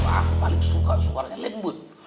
wah paling suka suaranya lembut